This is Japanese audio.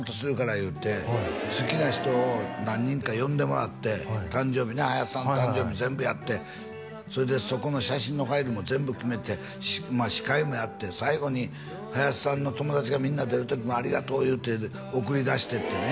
言うて好きな人を何人か呼んでもらって誕生日ね林さんの誕生日全部やってそれでそこの写真のファイルも全部決めて司会もやって最後に林さんの友達がみんな出る時も「ありがとう」言うて送り出してってね